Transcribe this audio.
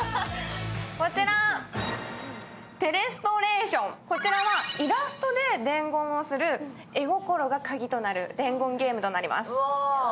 「テレストレーション」、こちらはイラストで伝言する絵心が鍵となる伝言ゲームとなります。